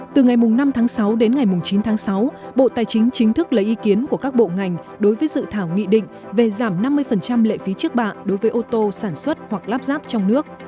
từ ngày năm tháng sáu đến ngày chín tháng sáu bộ tài chính chính thức lấy ý kiến của các bộ ngành đối với dự thảo nghị định về giảm năm mươi lệ phí trước bạ đối với ô tô sản xuất hoặc lắp ráp trong nước